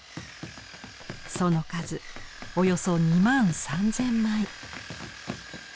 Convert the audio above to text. その数およそ２万３，０００枚。